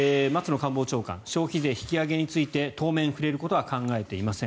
官房長官消費税引き上げについて当面、触れることは考えていません。